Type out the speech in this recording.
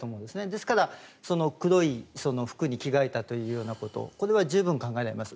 ですから黒い服に着替えたということこれは十分考えられます。